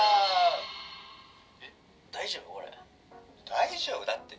「大丈夫だって」